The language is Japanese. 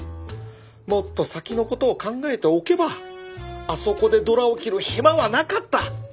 もっと先のことを考えておけばあそこでドラを切るヘマはなかった！